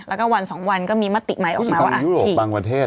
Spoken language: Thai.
แล้วก็วัน๒วันก็มีมติไหมออกมาว่าอ่ะชิบ